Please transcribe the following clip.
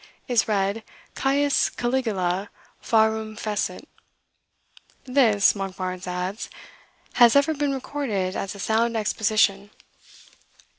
is read Caius Caligula Pharum Fecit." "This," Monkbarns adds, "has ever been recorded as a sound exposition."